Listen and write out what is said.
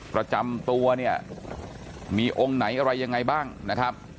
ประจำตัวเนี่ยมีองค์ไหนอะไรยังไงบ้างนะครับ